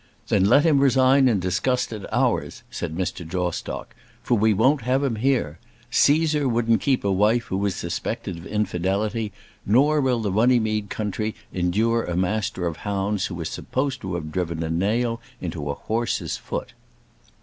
"Then let him resign in disgust at ours," said Mr. Jawstock, "for we won't have him here. Cæsar wouldn't keep a wife who was suspected of infidelity, nor will the Runnymede country endure a Master of Hounds who is supposed to have driven a nail into a horse's foot."